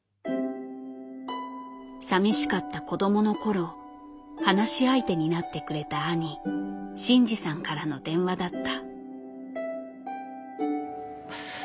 さみしかった子供の頃話し相手になってくれた兄晋治さんからの電話だった。